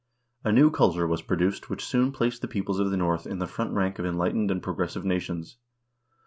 A new culture was produced which soon placed the peoples of the North in the front rank of enlightened and pro gressive nations.